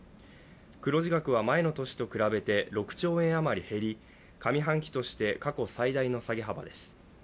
黒字額は前の年と比べて６兆円あまり減り上半期として過去最大の下げ幅です。